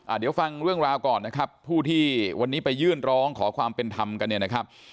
เดี๋ยวฟังเรื่องราวก่อนนะครับผู้ที่วันนี้ไปยื่นร้องขอความเป็นธรรมกันเนี่ยนะครับ